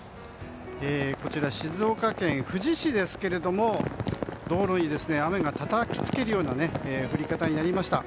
こちら静岡県富士市ですが道路に雨がたたきつけるような降り方になりました。